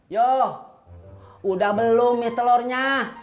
yo udah belum mie telurnya